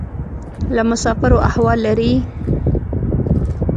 له مسافرو احوال لرې؟